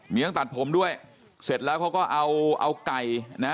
เมียเขาตัดผมด้วยเสร็จแล้วเขาก็เอาไก่นะ